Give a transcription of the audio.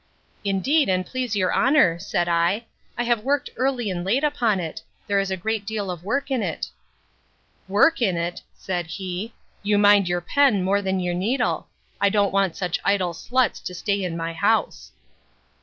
Indeed, and please your honour, said I, I have worked early and late upon it; there is a great deal of work in it.—Work in it! said he; You mind your pen more than your needle; I don't want such idle sluts to stay in my house.